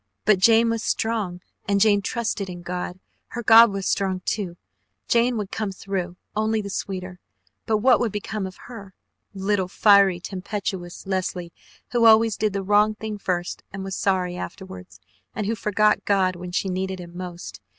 But Jane was strong and Jane trusted in God. Her God was strong, too! Jane would come through only the sweeter. But what would become of her little, fiery, tempestuous Leslie, who always did the wrong thing first and was sorry afterwards, and who forgot God when she needed Him most?